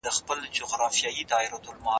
ادب تل د بدلون په حال کې وي.